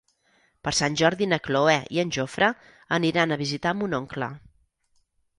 Per Sant Jordi na Cloè i en Jofre aniran a visitar mon oncle.